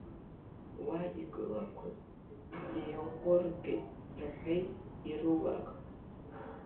Уа игылақәаз еиҟәыркит, — рҳәеит, ирулак.